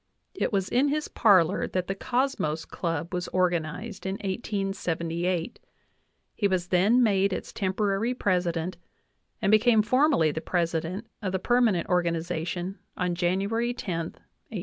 It was in his parlor that the Cosmos j Club was organized in 1878; he was then made its temporary ! president and became formally the president of the perma nent organization on January 10, i88i.